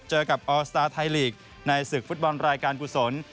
เจอกับออสตาร์ไทยลีกในศึกฟุตบอลรายการกุศล